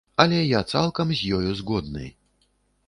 Але я цалкам з ёю згодны.